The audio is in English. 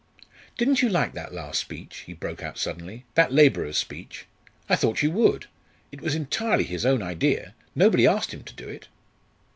"Didn't you like that last speech?" he broke out suddenly "that labourer's speech? I thought you would. It was entirely his own idea nobody asked him to do it."